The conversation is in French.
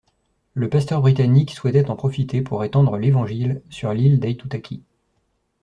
Le pasteur britannique souhaitait en profiter pour étendre l'Évangile sur l'île d'Aitutaki.